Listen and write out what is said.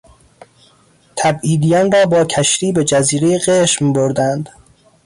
تبعیدیان را با کشتی به جزیرهی قشم بردند.